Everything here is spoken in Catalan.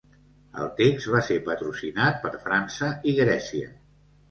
El text va ser patrocinat per França i Grècia.